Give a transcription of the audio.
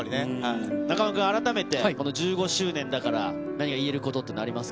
中丸君、改めてこの１５周年だから何か、言えることっていうのはあります